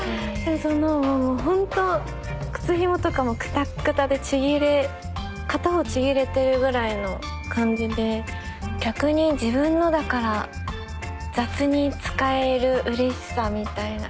ほんと靴ひもとかもクタックタでちぎれ片方ちぎれてるぐらいの感じで逆に自分のだから雑に使えるうれしさみたいな。